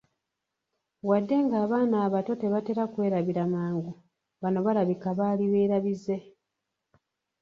Wadde nga abaana abato tebatera kwerabira mangu, bano balabika baali beerabize.